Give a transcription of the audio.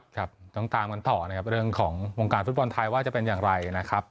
ครับต้องตามกันต่อนะครับเรื่องของวงการฟุตบอลไทยว่าจะเป็นอย่างไรนะครับ